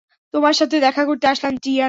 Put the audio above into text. তোমার সাথে দেখা করতে আসলাম, ডিয়ানা।